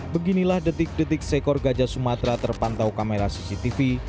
beginilah detik detik seekor gajah sumatera terpantau kamera cctv